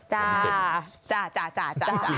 จ้าจ้าจ้าจ้าจ้า